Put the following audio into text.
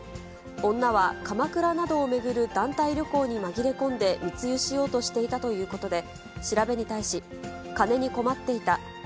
女は鎌倉などを巡る団体旅行に紛れ込んで密輸しようとしていたということで、調べに対し、金に困っていた。